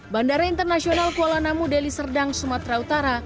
bandara internasional kuala namu deli serdang sumatera utara